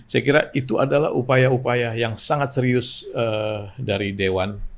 saya kira itu adalah upaya upaya yang sangat serius dari dewan